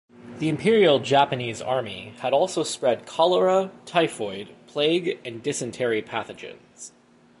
The Imperial Japanese Army had also spread cholera, typhoid, plague and dysentery pathogens.